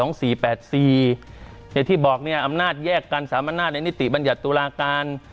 อย่างที่บอกอำนาจแยกกัน๓อำนาจในนิติบัญญัติตุลาการ